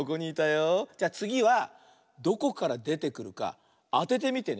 じゃあつぎはどこからでてくるかあててみてね。